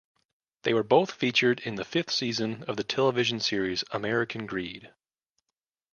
They were both featured in the fifth season of the television series "American Greed".